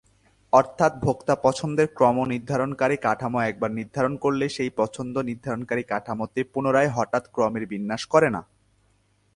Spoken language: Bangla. অর্থাৎ ভোক্তা পছন্দের ক্রম নির্ধারণকারী কাঠামো একবার নির্ধারণ করলে, সেই পছন্দ নির্ধারণকারী কাঠামো তে পুনরায়, হঠাৎ ক্রমের বিন্যাস করে না।